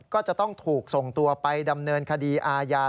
ก็จะต้องถูกส่งตัวไปดำเนินคดีอาญา